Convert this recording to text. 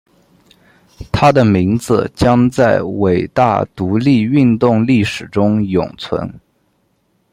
他的名字将在伟大独立运动历史中永存。